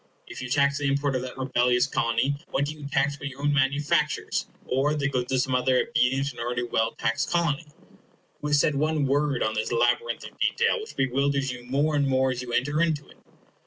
If you tax the import of that rebellious Colony, what do you tax but your own manufactures, or the goods of some other obedient and already well taxed Colony? Who has said one word on this labyrinth of detail, which bewilders you more and more as you enter into it?